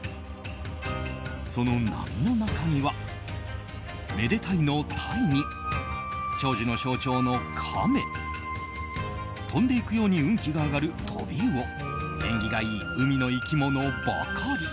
その波の中にはめでたいのタイに長寿の象徴のカメ飛んでいくように運気が上がるトビウオ縁起がいい海の生き物ばかり。